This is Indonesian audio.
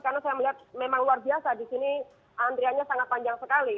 karena saya melihat memang luar biasa di sini antriannya sangat panjang sekali